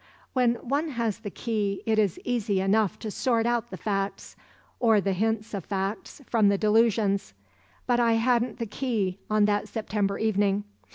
When one has the key it is easy enough to sort out the facts, or the hints of facts from the delusions; but I hadn't the key on that September evening.